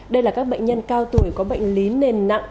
đây là các bệnh nhân cao tuổi có bệnh lý nền nặng